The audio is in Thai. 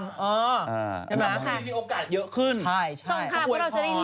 ตอนนนี้มีโอกาสเยอะขึ้นเช่นให้ส่งเพราะเราจะได้เลือก